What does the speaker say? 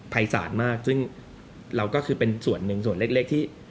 ภัยศาสตร์มากซึ่งเราก็คือเป็นส่วนหนึ่งส่วนเล็กที่